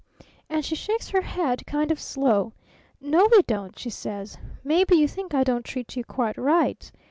And she shakes her head kind of slow. 'No, we don't!' she says. 'Maybe you think I don't treat you quite right?'